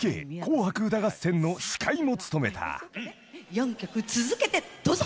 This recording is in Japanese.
４曲続けてどうぞ。